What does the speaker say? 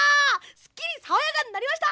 すっきりさわやかになりました！